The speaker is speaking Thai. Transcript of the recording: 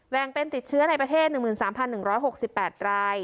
งเป็นติดเชื้อในประเทศ๑๓๑๖๘ราย